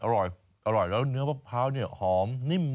อร่อยอร่อยแล้วเนื้อมะพร้าวเนี่ยหอมนิ่มมากเลย